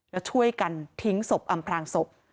แล้วช่วยกันทิ้งศพอำพลางศพ